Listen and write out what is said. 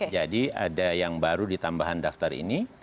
jadi ada yang baru ditambahan daftar ini